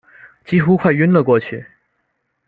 几乎快晕了过去